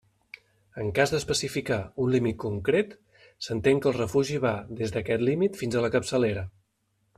En cas d'especificar un límit concret, s'entén que el refugi va des d'aquest límit fins a la capçalera.